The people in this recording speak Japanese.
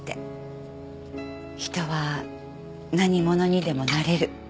人は何者にでもなれる。